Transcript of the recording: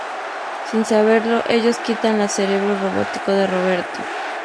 Sin saberlo ellos quitan la cerebro robótico de Roberto.